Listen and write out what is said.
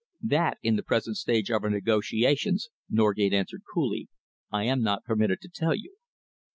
"That, in the present stage of our negotiations," Norgate answered coolly, "I am not permitted to tell you."